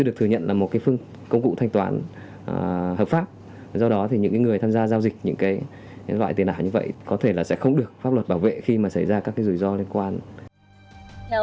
được pháp luật bảo vệ do đó để hạn chế những rủi ro tài chính và pháp lý người sử dụng cần phải